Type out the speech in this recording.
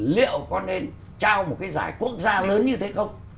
liệu có nên trao một cái giải quốc gia lớn như thế không